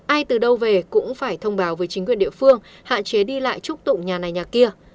ai từ đâu về cũng phải thông báo với chính quyền địa phương hạn chế đi lại trúc tụng nhà này nhà kia